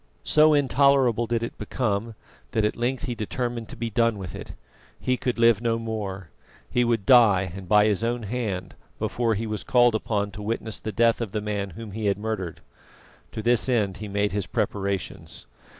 So intolerable did it become, that at length he determined to be done with it. He could live no more. He would die, and by his own hand, before he was called upon to witness the death of the man whom he had murdered. To this end he made his preparations.